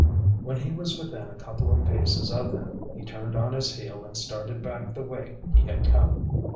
When he was within a couple of paces of them he turned on his heel and started back the way he had come.